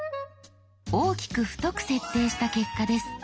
大きく太く設定した結果です。